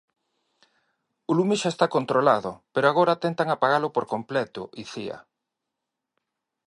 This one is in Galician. O lume xa está controlado, pero agora tentan apagalo por completo, Icía.